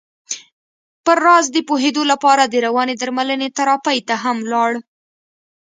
پر راز د پوهېدو لپاره د روانې درملنې تراپۍ ته هم ولاړ.